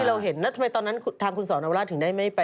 เราเห็นแล้วทำไมตอนนั้นทางคุณสอนราชถึงได้ไม่ไป